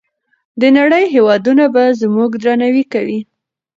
د نړۍ هېوادونه به زموږ درناوی کوي.